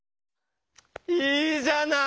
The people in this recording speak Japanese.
いいじゃない。